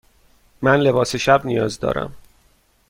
من لباس شب نیاز دارم.